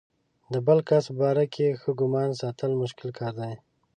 د بل کس په باره کې ښه ګمان ساتل مشکل کار دی.